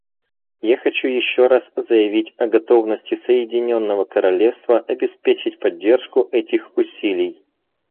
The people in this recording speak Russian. Я хочу еще раз заявить о готовности Соединенного Королевства обеспечить поддержку этих усилий.